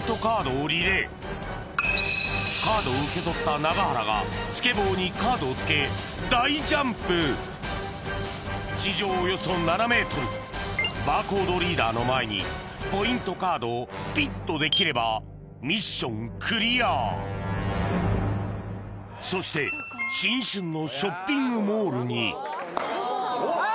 カードをリレーカードを受け取った永原がスケボーにカードを付け大ジャンプ地上およそ７ｍバーコードリーダーの前にポイントカードをピッとできればミッションクリアそして新春のショッピングモールにうわ！